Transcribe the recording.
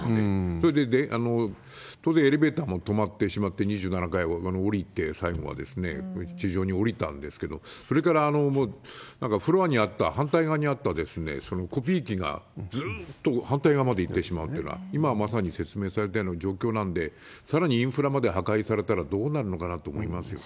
それで、当然、エレベーターも止まってしまって、２７階を降りて、最後は地上に降りたんですけど、それからもうなんか、フロアにあった、反対側にあったコピー機がずーっと反対側まで行ってしまうってのは、今まさに説明されたような状況なんで、さらにインフラまで破壊されたらどうなるのかなと思いますよね。